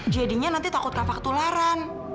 jadinya nanti takut lapak ketularan